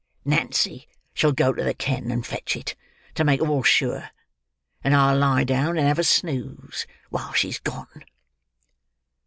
Nancy shall go to the ken and fetch it, to make all sure; and I'll lie down and have a snooze while she's gone."